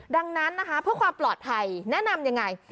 ดังนั้นนะคะเพื่อความปลอดภัยแนะนำยังไง